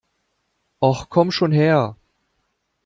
Och, komm schon her!